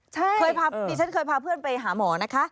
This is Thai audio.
ใช่นี่ฉันเคยพาเพื่อนไปหาหมอนะคะ